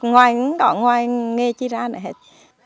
ngoài ngon ngoài nghe chị ra này hết